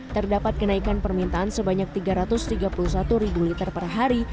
terdapat kenaikan permintaan sebanyak tiga ratus tiga puluh satu ribu liter per hari